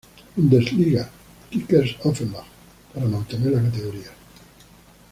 Bundesliga, Kickers Offenbach, para mantener la categoría.